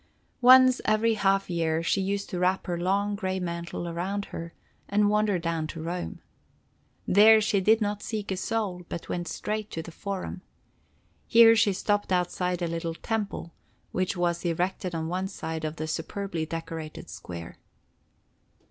Once every half year she used to wrap her long, gray mantle around her, and wander down to Rome. There she did not seek a soul, but went straight to the Forum. Here she stopped outside a little temple, which was erected on one side of the superbly decorated square.